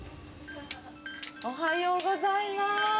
おはようございます。